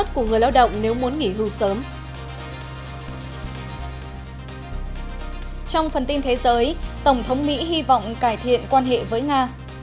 trong phần tin thế giới tổng thống mỹ hy vọng cải thiện quan hệ với nga